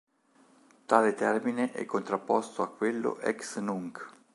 Tale termine è contrapposto a quello "ex nunc".